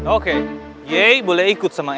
oke yei boleh ikut sama aku